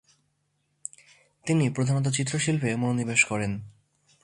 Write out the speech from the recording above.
তিনি প্রধানত চিত্রশিল্পে মনোনিবেশ করেন।